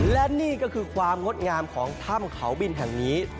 และนี่ก็คือความงดงามของถ้ำเขาบินแห่งนี้